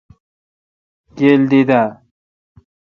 گیل دے اؘ۔